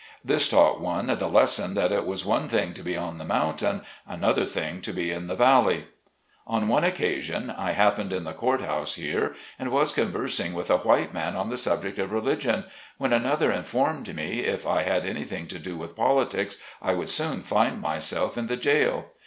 This taught one the lesson that it is one thing to be on the mountain, another thing to be in the valley. On one occasion, I happened in the court house here, and was conversing with a white man on the subject of religion, when another informed me if I had anything to do with politics, I would soon find myself in the jail.